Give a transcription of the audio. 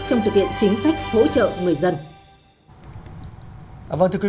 trong thực hiện chính sách hỗ trợ người dân